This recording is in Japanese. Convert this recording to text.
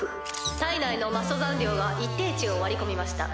体内の魔素残量が一定値を割り込みました。